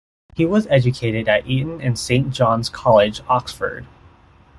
He was educated at Eton and at Saint John's College, Oxford.